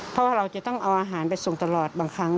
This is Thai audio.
เพราะว่าเราจะต้องเอาอาหารไปส่งตลอดบางครั้ง